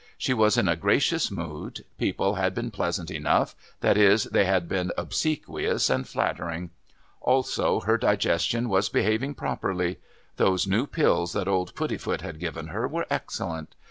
She was in a gracious mood; people had been pleasant enough that is, they had been obsequious and flattering. Also her digestion was behaving properly; those new pills that old Puddifoot had given her were excellent.